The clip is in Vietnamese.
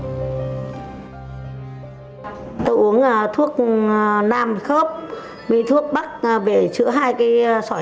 tôi uống thuốc nam khớp vi thuốc bắc về chữa hai cây